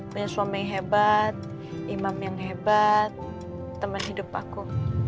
punya suami yang hebat imam yang hebat teman hidup aku